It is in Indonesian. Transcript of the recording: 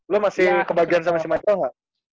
lo masih kebagian sama si michael nggak